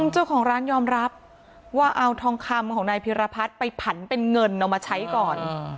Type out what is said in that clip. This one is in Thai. เจ้าของร้านยอมรับว่าเอาทองคำของนายพิรพัฒน์ไปผันเป็นเงินเอามาใช้ก่อน